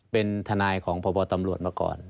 เป็นทนายของพบตำรวจมาก่อน